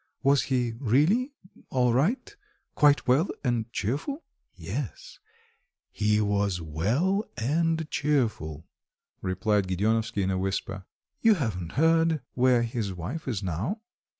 Was he really all right quite well and cheerful?" "Yes, he was well and cheerful," replied Gedeonovsky in a whisper. "You haven't heard where his wife is now?"